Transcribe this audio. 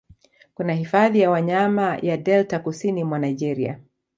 Kuna hifadhi ya wanyama ya Delta kusini mwa Naigeria